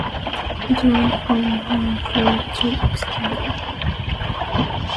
It runs from Hampton Falls to Exeter.